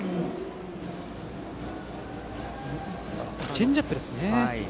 チェンジアップですね。